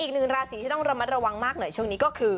อีกหนึ่งราศีที่ต้องระมัดระวังมากหน่อยช่วงนี้ก็คือ